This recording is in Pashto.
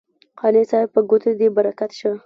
قانع صاحب په ګوتو دې برکت شه.